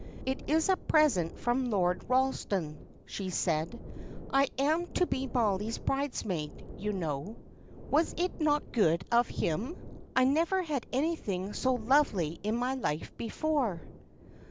"It is a present from Lord Ralston," she said. "I am to be Mollie's bridesmaid, you know. Was it not good of him. I never had anything so lovely in my life before."